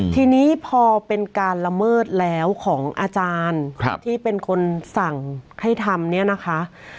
ทีนี้พอเป็นการละเมิดแล้วของอาจารย์ที่เป็นคนสั่งให้ทำเนี่ยนะคะ